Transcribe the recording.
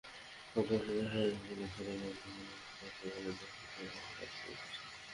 গতকাল শনিবার সরেজমিনে দেখা যায়, মার্কেটের সীমানা দেয়াল তোলার কাজ শেষ হয়েছে।